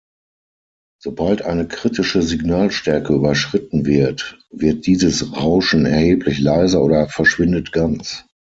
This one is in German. Sobald eine kritische Signalstärke überschritten wird, wird dieses Rauschen erheblich leiser oder verschwindet ganz.